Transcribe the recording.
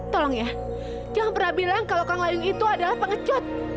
tolong ya jangan pernah bilang kalau kang layung itu adalah pengecat